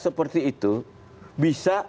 seperti itu bisa